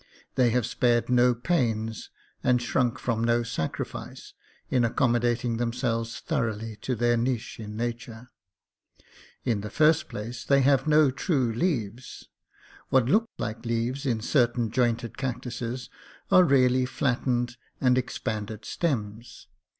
They have spared no pains and shrunk from no sacrifice in accommodating themselves thoroughly to their niche in nature. In the first place, they have no true leaves. What look like leaves in certain jointed cactuses are really flattened and expanded stems.